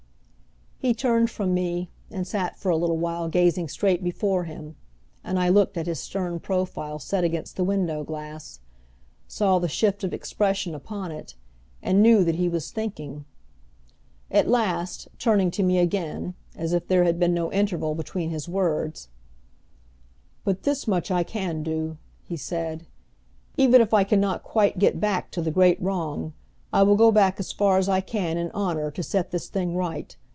He turned from me, and sat for a little while gazing straight before him, and I looked at his stern profile set against the window glass, saw the shift of expression upon it, and knew that he was thinking. At last, turning to me again, as if there had been no interval between his words, "But this much I can do," he said. "Even if I can not quite get back to the great wrong, I will go back as far as I can in honor to set this thing right.